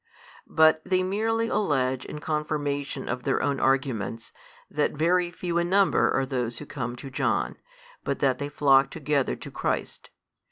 but they merely allege in confirmation of their own arguments, that very few in number are those who come to John, but that they flock together to Christ.